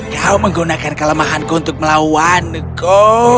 kau menggunakan kelemahanku untuk melawanku